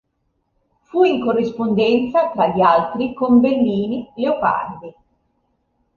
Fu in corrispondenza, tra gli altri, con Bellini, Leopardi.